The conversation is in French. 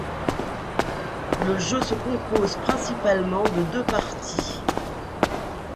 Le jeu se compose principalement de deux parties.